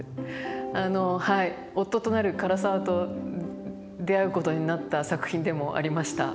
あのはい夫となる唐沢と出会うことになった作品でもありました。